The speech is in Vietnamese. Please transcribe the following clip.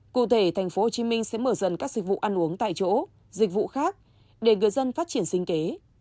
cụ thể tp hcm sẽ mở dần các dịch vụ ăn uống tại chỗ dịch vụ khác để người dân phát triển sinh kế